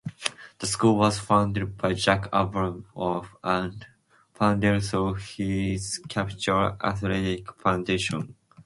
The school was founded by Jack Abramoff and funded through his Capital Athletic Foundation.